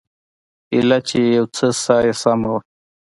ايله چې يو څه ساه يې سمه وه.